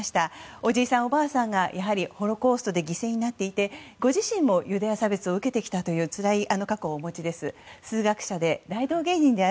おじいさん、おばあさんがやはりホロコーストで犠牲になっていてご自身もユダヤ差別を受けてきたというつらい過去をお持ちです。